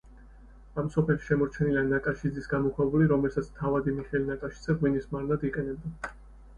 ამ სოფელში შემორჩენილია ნაკაშიძის გამოქვაბული, რომელსაც თავადი მიხეილ ნაკაშიძე ღვინის მარნად იყენებდა.